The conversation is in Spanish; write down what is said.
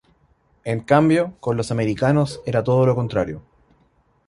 En cambio, con los americanos era todo lo contrario.